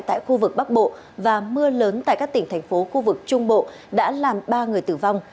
tại khu vực bắc bộ và mưa lớn tại các tỉnh thành phố khu vực trung bộ đã làm ba người tử vong